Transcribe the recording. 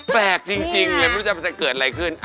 แปลกจริงไม่รู้จะเกิดอะไรขึ้น